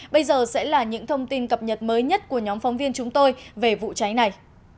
bây giờ sẽ là những thông tin cập nhật mới nhất của nhóm phóng viên chúng tôi về vụ cháy này